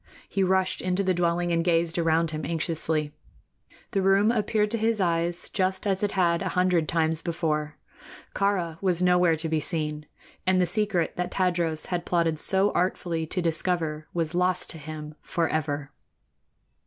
He rushed into the dwelling and gazed around him anxiously. The room appeared to his eyes just as it had a hundred times before. Kāra was nowhere to be seen, and the secret that Tadros had plotted so artfully to discover was lost to him forever.